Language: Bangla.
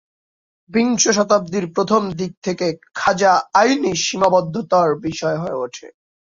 বিংশ শতাব্দীর প্রথম দিকে থেকে, গাঁজা আইনি সীমাবদ্ধতার বিষয় হয়ে ওঠে।